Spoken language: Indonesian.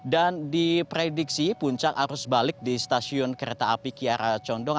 dan di prediksi puncak arus balik di stasiun kereta api kiara condong